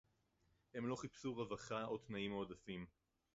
הם לא חיפשו רווחה או תנאים מועדפים